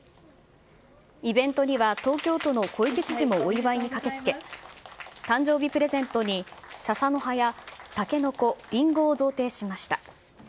イベントには東京都の小池知事もお祝いに駆けつけ、誕生日プレゼントにささの葉やたけのこ、りんごを贈呈しました。